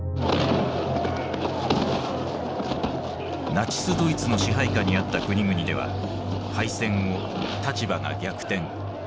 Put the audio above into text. ナチスドイツの支配下にあった国々では敗戦後立場が逆転。